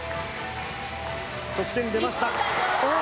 得点、出ました。